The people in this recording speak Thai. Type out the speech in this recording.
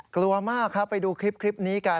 กลัวมากครับไปดูคลิปนี้กัน